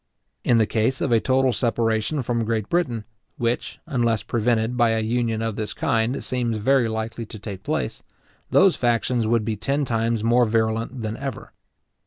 In the case of a total separation from Great Britain, which, unless prevented by a union of this kind, seems very likely to take place, those factions would be ten times more virulent than ever.